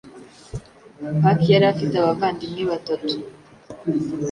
pac yari afite abavandimwe batatu